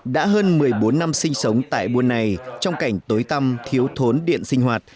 đã hơn một mươi bốn năm sinh sống tại buôn này trong cảnh tối tâm thiếu thốn điện sinh hoạt